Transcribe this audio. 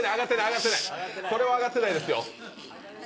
これは上がってないですよ。